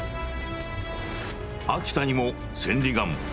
「秋田にも千里眼」。